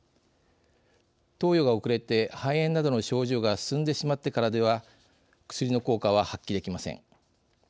投与が遅れて肺炎などの症状が進んでしまってからでは薬の効果は発揮できません。